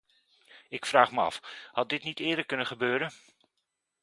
Ik vraag me af: had dit niet eerder kunnen gebeuren?